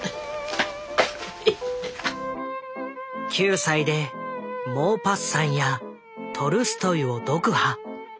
９歳でモーパッサンやトルストイを読破。